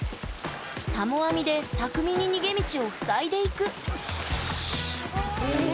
たも網で巧みに逃げ道を塞いでいくすごい！